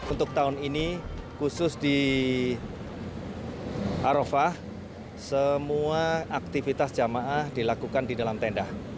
untuk tahun ini khusus di arafah semua aktivitas jamaah dilakukan di dalam tenda